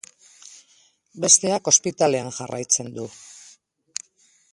Besteak ospitalean jarraitzen du.